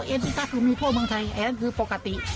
อ๋อเอ็นที่กระสุนมีทั่วเมืองไทยอันนั้นคือปกติ